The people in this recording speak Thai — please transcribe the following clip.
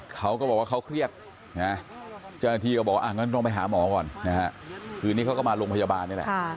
เขาก็บอกว่าเขาเครียดนะเจ้าหน้าที่ก็บอกงั้นต้องไปหาหมอก่อนนะฮะคืนนี้เขาก็มาโรงพยาบาลนี่แหละ